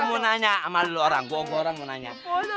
he gua mau nanya sama lu orang gua orang mau nanya